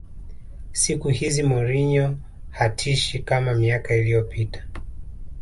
siku hizi mourinho hatishi kama miaka iliyopita